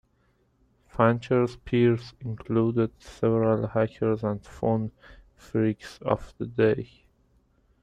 Fancher's peers included several hackers and phone phreaks of the day.